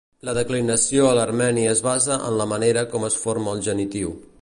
La declinació a l'armeni es basa en la manera com es forma el genitiu.